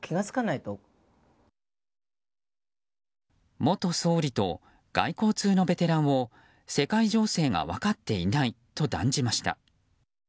元総理と外交通のベテランを世界情勢が分かっていないと断じました。